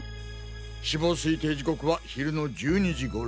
死亡推定時刻は昼の１２時頃。